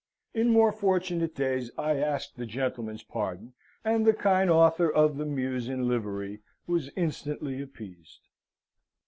In more fortunate days I asked the gentleman's pardon, and the kind author of the Muse in Livery was instantly appeased.